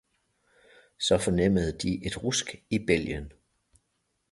Så fornemmede de et rusk i bælgen.